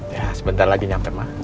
ya sebentar lagi nyamper mah